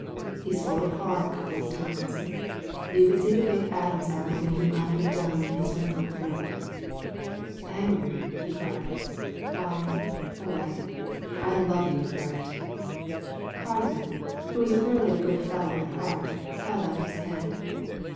He swallowed hard a couple of times. You could see the big Adam's apple moving up and down in his wrinkled throat. "Angry!" he cried. "Why, boy, I love you for it.'* Hardman, who was a thoroughly good fellow at heart, held out his hand.